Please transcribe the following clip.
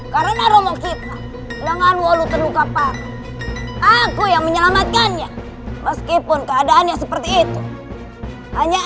kenapa kamu pergi secepat ini